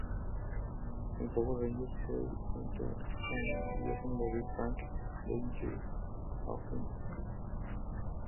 En Power Rangers Zeo junto con Jason David Frank, David Yost, Austin St.